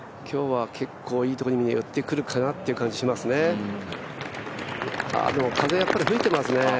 今日は結構いいところに寄ってくるかなという感じがしますね。